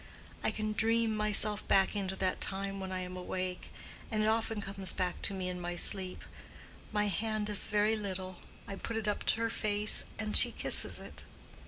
I can dream myself back into that time when I am awake, and it often comes back to me in my sleep—my hand is very little, I put it up to her face and she kisses it.